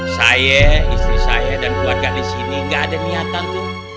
saya istri saya dan buah gadis ini gak ada niatan tuh